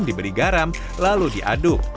diberi garam lalu diaduk